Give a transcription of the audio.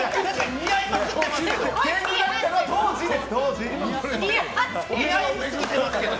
似合いまくってますけど。